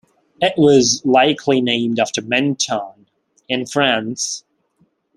It was likely named after Menton, in France.